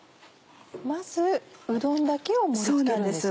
まずうどんだけを盛り付けるんですね。